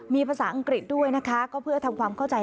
มีภาษาอังกฤษด้วยนะคะก็เพื่อทำความเข้าใจ